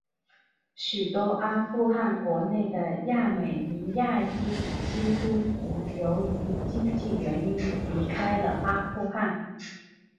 许多阿富汗国内的亚美尼亚裔基督徒由于经济原因离开了阿富汗。